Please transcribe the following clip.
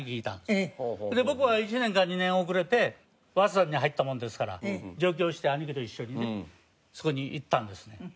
僕は１年か２年遅れて早稲田に入ったもんですから上京して兄貴と一緒にねそこに行ったんですね。